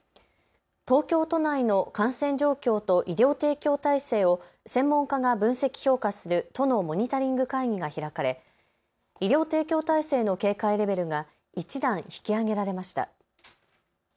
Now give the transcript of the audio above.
東京都内の感染状況と医療提供体制を専門家が分析・評価する都のモニタリング会議が開かれ医療提供体制の警戒レベルが１段引き上げられました。